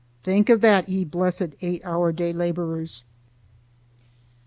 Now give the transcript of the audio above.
Think of that, ye blessed eight hour day laborers!